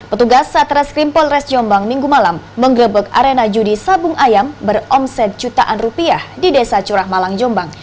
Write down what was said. petugas satreskrim polres jombang minggu malam menggebek arena judi sabung ayam beromset jutaan rupiah di desa curah malang jombang